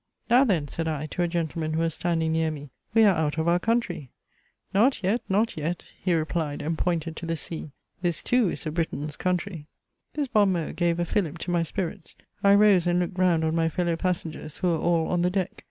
"Now then," (said I to a gentleman who was standing near me,) "we are out of our country." "Not yet, not yet!" he replied, and pointed to the sea; "This, too, is a Briton's country." This bon mot gave a fillip to my spirits, I rose and looked round on my fellow passengers, who were all on the deck.